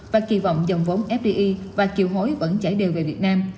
và kỳ vọng dòng vốn fdi và kiều hối vẫn chảy đều về việt nam